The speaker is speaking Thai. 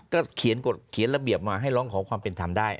ก็เขียนกฎเขียนระเบียบมาให้ร้องขอความเป็นธรรมได้